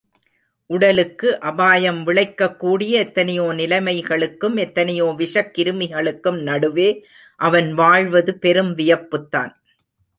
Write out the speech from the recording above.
உடலுக்கு அபாயம் விளைக்கக் கூடிய எத்தனையோ நிலைமைகளுக்கும், எத்தனையோ விஷக் கிருமிகளுக்கும் நடுவே, அவன் வாழ்வது பெரும் வியப்புத்தான்.